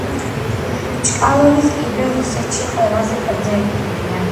ჩკალოვის კიბე რუსეთში ყველაზე გრძელი კიბეა.